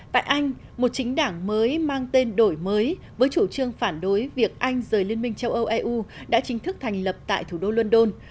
tại anh một chính đảng mới mang tên đổi mới với chủ trương phản đối việc anh rời liên minh châu âu eu đã chính thức thành lập tại thủ đô london